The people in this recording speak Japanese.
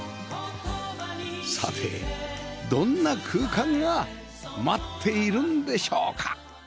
さてどんな空間が待っているんでしょうか？